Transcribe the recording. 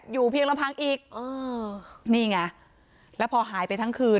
อยู่เพียงละครั้งอีกนี่ไงแล้วพอหายไปทั้งคืน